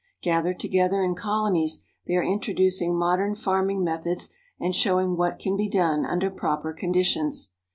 Gathered together in colonies, they are introducing modern farming methods and showing what can be done under proper conditions.